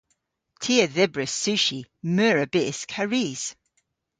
Ty a dhybris sushi, meur a bysk ha ris.